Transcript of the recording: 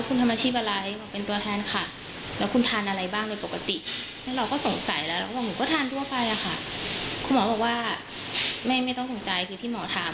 คุณหมอบอกว่าไม่ต้องสงสัยคือที่หมอถาม